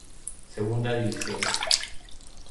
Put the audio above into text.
Segunda División